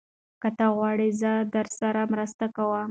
که ته وغواړې نو زه درسره مرسته کوم.